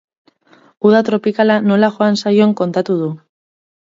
Uda tropikala nola joan zaion kontatuk du.